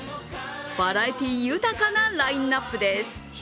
バラエティー豊かなラインナップです。